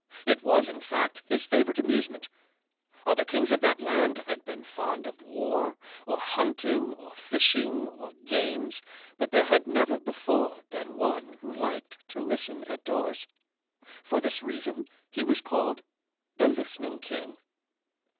It was, in fact, his favorite amusement. Other kings of that land had been fond of war or hunting or fishing or games, but there had never before been one who liked to listen at doors. For this reason he was called "the listening king."